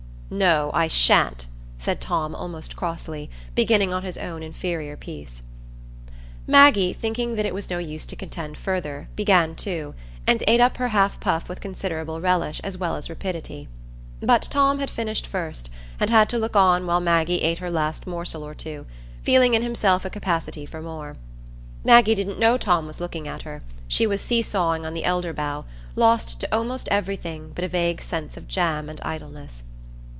"No, I sha'n't," said Tom, almost crossly, beginning on his own inferior piece. Maggie, thinking it was no use to contend further, began too, and ate up her half puff with considerable relish as well as rapidity. But Tom had finished first, and had to look on while Maggie ate her last morsel or two, feeling in himself a capacity for more. Maggie didn't know Tom was looking at her; she was seesawing on the elder bough, lost to almost everything but a vague sense of jam and idleness.